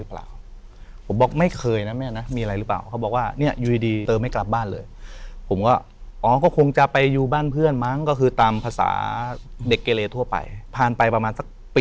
เพื่อนชื่ออะไรคนนี้